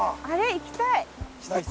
あれ行きたい。